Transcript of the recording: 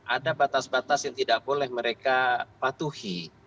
ada batas batas yang tidak boleh mereka patuhi